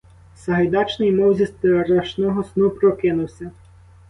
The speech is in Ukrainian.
Сагайдачний мов зі страшного сну прокинувся.